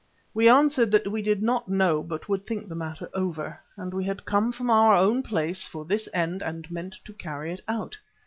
We answered that we did not know but would think the matter over, as we had come from our own place for this purpose and meant to carry it out.